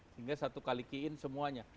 sehingga satu kali ki in semuanya